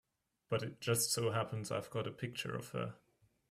But it just so happens I've got a picture of her.